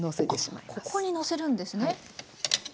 ここにのせるんですね？